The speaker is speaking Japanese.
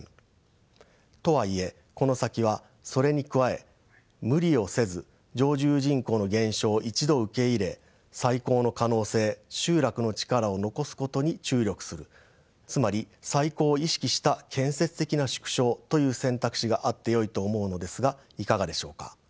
とはいえこの先はそれに加え無理をせず常住人口の減少を一度受け入れ再興の可能性集落の力を残すことに注力するつまり再興を意識した建設的な縮小という選択肢があってよいと思うのですがいかがでしょうか。